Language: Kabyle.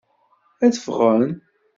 Ad ffɣen?